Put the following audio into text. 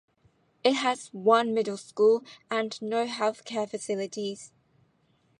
It has one middle school and no healthcare facilities.